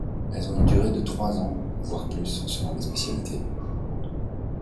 Elles ont une durée de trois ans voir plus, selon les spécialités.